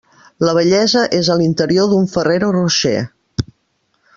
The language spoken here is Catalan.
La bellesa és a l'interior d'un Ferrero Rocher.